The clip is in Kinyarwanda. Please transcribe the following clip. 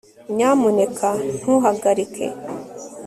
nyamuneka ntuhagarike